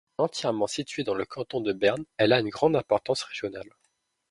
Entièrement située dans le canton de Berne, elle a une grande importance régionale.